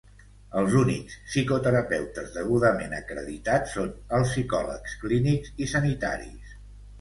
Els únics psicoterapeutes degudament acreditats són els psicòlegs clínics i sanitaris.